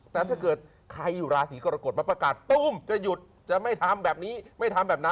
แต่ถ้าเกิดใครอยู่ราศีกรกฎมาประกาศตุ้มจะหยุดจะไม่ทำแบบนี้ไม่ทำแบบนั้น